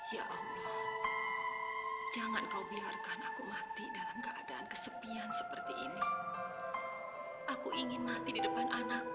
ya allah jangan kau biarkan aku mati dalam keadaan kesepian seperti ini aku ingin mati di depan anakku